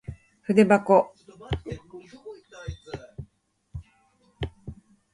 ふでばこ